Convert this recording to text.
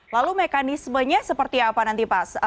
lalu mekanismenya seperti apa nanti pak